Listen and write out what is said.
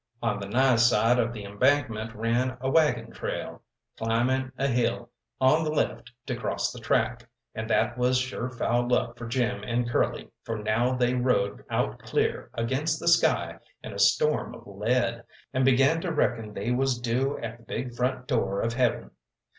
On the nigh side of the embankment ran a waggon trail, climbing a hill on the left to cross the track, and that was sure foul luck for Jim and Curly, for now they rode out clear against the sky in a storm of lead, and began to reckon they was due at the big front door of heaven.